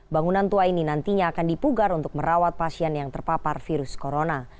bangunan tua ini nantinya akan dipugar untuk merawat pasien yang terpapar virus corona